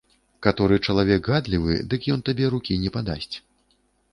Каторы чалавек гадлівы, дык ён табе рукі не падасць.